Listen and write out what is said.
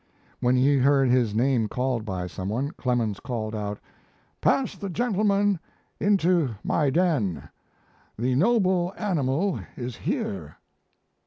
When he heard his name called by some one, Clemens called out: "Pass the gentleman into my den. The noble animal is here."